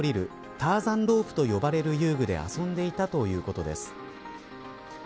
ターザンロープと呼ばれる遊具で遊んでいたということです。